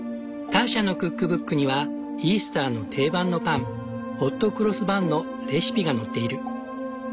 ターシャのクックブックにはイースターの定番のパン「ホットクロスバン」のレシピが載っている。